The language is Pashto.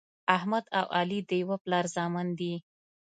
احمد او علي د یوه پلار زامن دي.